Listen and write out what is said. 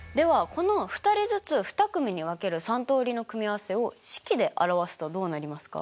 この２人ずつ２組に分ける３通りの組合せを式で表すとどうなりますか？